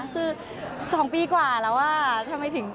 คือ๒ปีกว่าแล้วว่าทำไมถึง